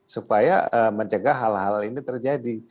supaya mencegah hal hal ini terjadi